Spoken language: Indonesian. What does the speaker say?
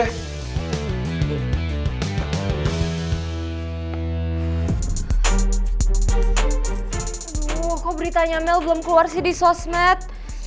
oh kok beritanya mel belum keluar sih di sosmed